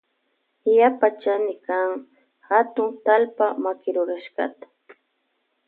Yapa chanikan hatun talpa makirurashkata.